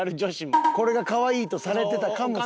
これがかわいいとされてたかもしれん。